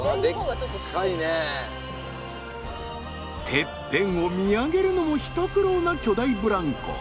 てっぺんを見上げるのも一苦労な巨大ブランコ。